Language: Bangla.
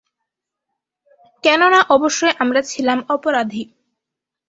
কেননা অবশ্যই আমরা ছিলাম অপরাধী।